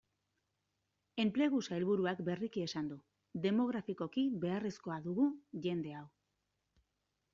Enplegu sailburuak berriki esan du, demografikoki beharrezko dugu jende hau.